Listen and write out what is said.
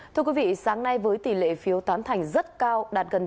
thưa quý vị sáng nay với tỷ lệ phiếu tán thành rất cao đạt gần chín mươi bốn